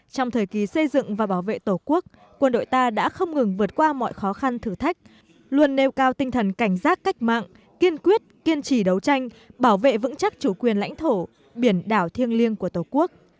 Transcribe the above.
trong thời kỳ xây dựng và bảo vệ tổ quốc quân đội ta đã không ngừng vượt qua mọi khó khăn thử thách luôn nêu cao tinh thần cảnh giác cách mạng kiên quyết kiên trì đấu tranh bảo vệ vững chắc chủ quyền lãnh thổ biển đảo thiêng liêng của tổ quốc